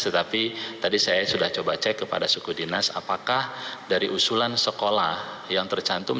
tetapi tadi saya sudah coba cek kepada suku dinas apakah dari usulan sekolah yang tercantum